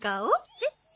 えっ？